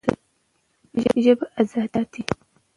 ژبه ازادي ساتي.